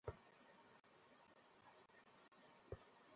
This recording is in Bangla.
ভোটের ভয় কাকে দেখাস?